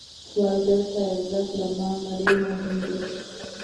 سوالګر ته عزت له مال نه ډېر مهم دی